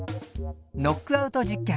ノックアウト実験